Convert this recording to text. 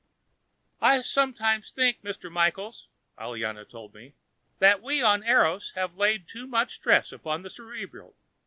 "I sometimes think, Mr. Michaels," Aliana told me, "that we of Eros have laid too much stress upon the cerebral.